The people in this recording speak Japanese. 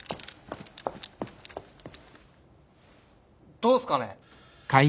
どうすかね？